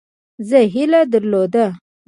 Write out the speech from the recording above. زه هیله درلوده.